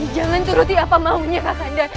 jangan turuti apa maunya kakanda